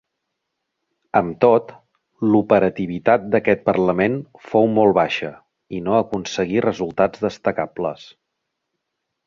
Amb tot, l'operativitat d'aquest parlament fou molt baixa i no aconseguí resultats destacables.